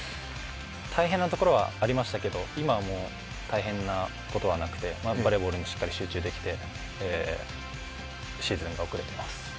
大変なところはありましたけど、今はもう大変なところはなくて、バレーボールにしっかり集中できて、シーズンが送れています。